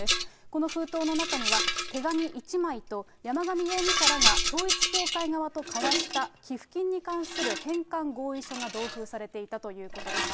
この封筒の中には、手紙１枚と山上容疑者らが、統一教会側と交わした寄付金に関する返還合意書が同封されていたということです。